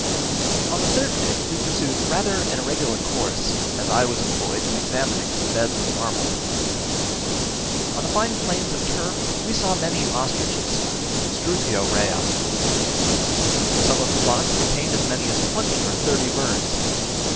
On the third day we pursued rather an irregular course, as I was employed in examining some beds of marble. On the fine plains of turf we saw many ostriches (Struthio rhea). Some of the flocks contained as many as twenty or thirty birds.